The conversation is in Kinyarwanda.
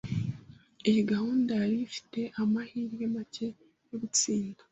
Iyi gahunda yari ifite amahirwe make yo gutsinda.